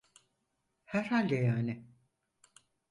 Herhalde yani.